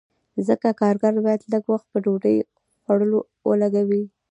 ځکه کارګر باید لږ وخت په ډوډۍ خوړلو ولګوي